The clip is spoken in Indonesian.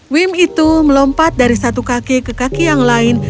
wim itu melompat dari satu kaki ke kaki yang lain